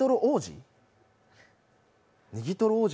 ネギトロ王子？